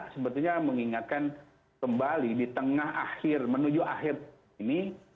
sebetulnya mengingatkan kembali di tengah akhir menuju akhir ini